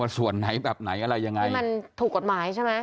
ส่วนไหนแบบไหนอะไรยังไงมันถูกกฎหมายใช่ไหม